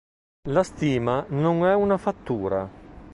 La stima non è una fattura.